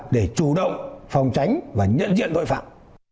để chủ động phòng tránh và nhận diện tội phạm